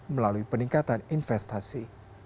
melalui peningkatan investasi